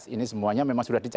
ini semuanya memang sudah dicari